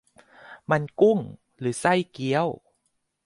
มัน 'กุ้ง' หรือ 'ไส้เกี๊ยว' ?